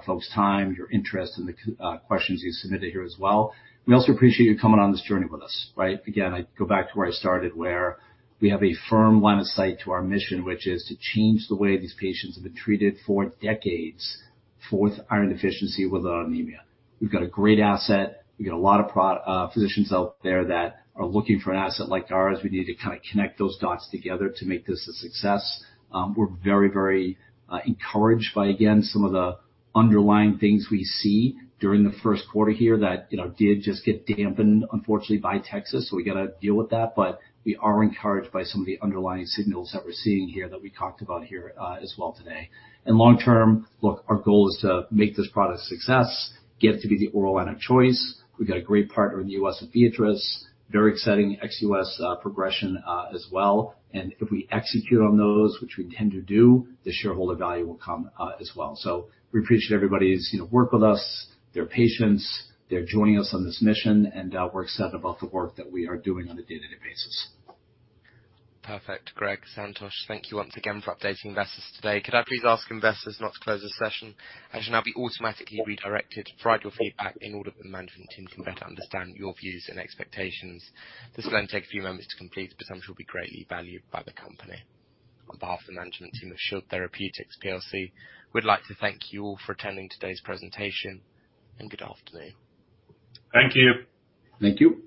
folks' time, your interest, and the questions you submitted here as well. We also appreciate you coming on this journey with us, right? Again, I go back to where I started, where we have a firm line of sight to our mission, which is to change the way these patients have been treated for decades for iron deficiency with an anemia. We've got a great asset. We've got a lot of physicians out there that are looking for an asset like ours. We need to kind of connect those dots together to make this a success. We're very, very encouraged by, again, some of the underlying things we see during the Q1 here that did just get dampened, unfortunately, by Texas. So we got to deal with that. But we are encouraged by some of the underlying signals that we're seeing here that we talked about here as well today. And long term, look, our goal is to make this product a success, get it to be the oral iron of choice. We've got a great partner in the US with Viatris, very exciting ex-US progression as well. And if we execute on those, which we intend to do, the shareholder value will come as well. So we appreciate everybody's work with us, their patience. They're joining us on this mission, and we're excited about the work that we are doing on a day-to-day basis. Perfect. Greg, Santosh, thank you once again for updating investors today. Could I please ask investors not to close this session? I should now be automatically redirected. Provide your feedback in order for the management team to better understand your views and expectations. This will only take a few moments to complete, but I'm sure it'll be greatly valued by the company. On behalf of the management team of Shield Therapeutics plc, we'd like to thank you all for attending today's presentation, and good afternoon. Thank you. Thank you.